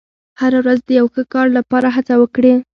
• هره ورځ د یو ښه کار لپاره هڅه وکړه.